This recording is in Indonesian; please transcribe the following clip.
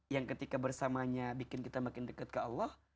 yang ketika bersamanya bikin kita makin dekat ke allah